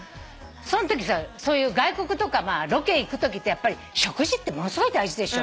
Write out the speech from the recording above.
そんときさそういう外国とかロケ行くときってやっぱり食事ってものすごい大事でしょ？